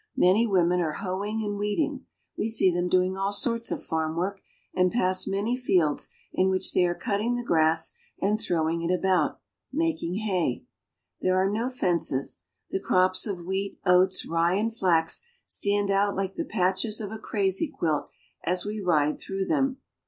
Many women are hoeing and weeding ; we see them doing all sorts of farm work, and pass many fields in which they are cutting the grass and throwing it about, mak ing hay. There are no fences. The crops of wheat, oats, rye, and flax stand out like the patches of a crazy quilt as we ride through them.